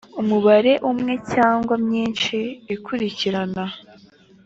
umubare umwe cyangwa myinshi ikurikirana